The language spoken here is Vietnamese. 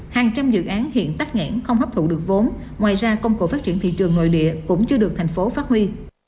hàng trăm dự án hiện tắc nghẽn không hấp thụ được vốn ngoài ra công cụ phát triển thị trường nội địa cũng chưa được thành phố phát huy